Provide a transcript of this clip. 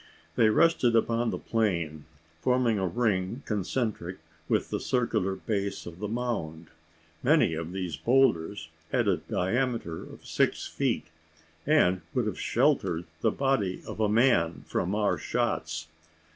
They rested upon the plain, forming a ring concentric with the circular base of the mound. Many of these boulders had a diameter of six feet, and would have sheltered the body of a man from our shots.